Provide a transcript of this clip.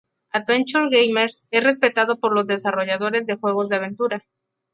Adventure Gamers es respetado por los desarrolladores de juegos de aventura.